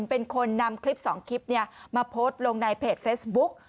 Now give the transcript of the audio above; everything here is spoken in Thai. เป็นคนนำคลิปสองคลิปเนี่ยมาโพสต์ลงในเพจเฟสบุ๊ค